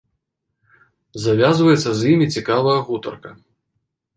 Завязваецца з імі цікавая гутарка.